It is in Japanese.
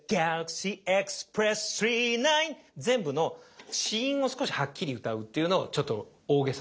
全部の子音を少しはっきり歌うっていうのをちょっと大げさに。